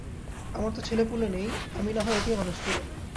আমার তো ছেলেপুলে নেই, আমি নাহয় ওকেই মানুষ করি।